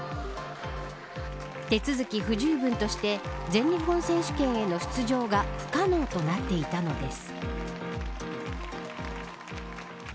手続き不十分として全日本選手権への出場が不可能となっていたのです。